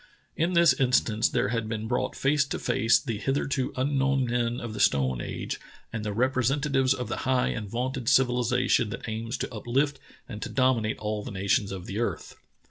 In this in stance there had been brought face to face the hitherto unknown men of the stone age and the representatives of the high and vaunted civilization that aims to up lift and to dominate all the nations of the earth.